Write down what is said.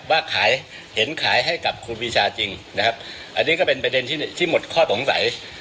ว่าขายเห็นขายให้กับครูปีชาจริงนะครับอันนี้ก็เป็นประเด็นที่ที่หมดข้อสงสัย